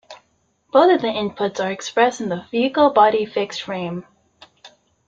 Both of the inputs are expressed in the vehicle-body-fixed frame.